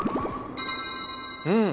うん！